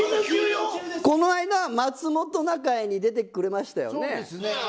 この間、松本中居に出てくれましたよね。